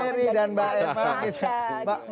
mas ferry dan mbak eva